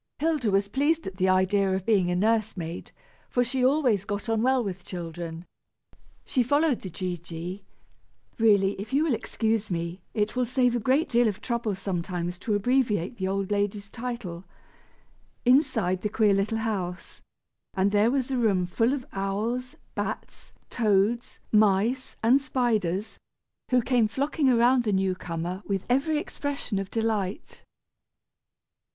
Hilda was pleased at the idea of being a nurse maid, for she always got on well with children. She followed the G. G. (really, if you will excuse me, it will save a great deal of trouble sometimes to abbreviate the old lady's title) inside the queer little house, and there was a room full of owls, bats, toads, mice, and spiders, who came flocking around the new comer, with every expression of delight.